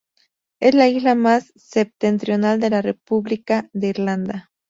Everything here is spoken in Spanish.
Es la isla más septentrional de la República de Irlanda.